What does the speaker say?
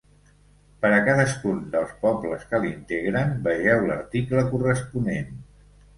Per a cadascun dels pobles que l'integren, vegeu l'article corresponent.